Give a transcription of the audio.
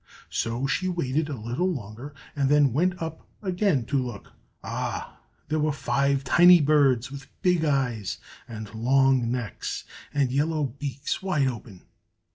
So she waited a little longer and then went up again to look. Ah! there were five tiny birds, with big eyes and long necks, and yellow beaks wide open.